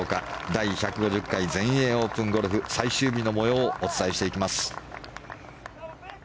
第１５０回全英オープンゴルフ最終日の模様をお伝えしていきます。